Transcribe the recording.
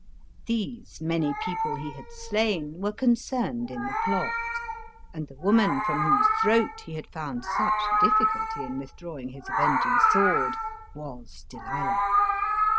These many people he had slain were concerned in the plot, and the woman from whose throat he had found such difficulty in withdrawing his avenging sword was Delilah.